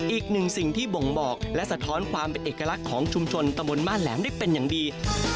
อีกหนึ่งสิ่งที่บ่งบอกและสะท้อนความเป็นเอกลักษณ์ของชุมชนตะบนบ้านแหลมได้เป็นอย่างดี